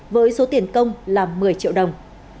với số tiền công là một mươi triệu đồng